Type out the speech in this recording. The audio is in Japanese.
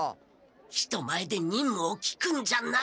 人前でにんむを聞くんじゃない。